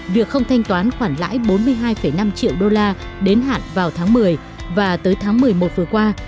việc không thanh toán khoản lãi bốn mươi hai năm triệu đô la đến hạn vào tháng một mươi và tới tháng một mươi một vừa qua